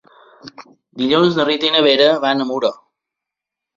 Dilluns na Rita i na Vera van a Muro.